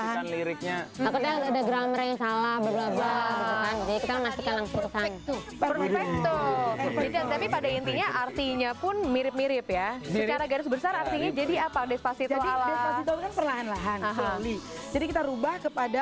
hasilkan lewat media sosial youtube